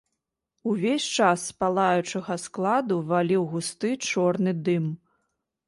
Увесь час з палаючага складу валіў густы чорны дым.